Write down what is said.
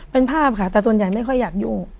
เป็นภาพค่ะแต่ส่วนใหญ่ไม่ค่อยอยากยุ่ง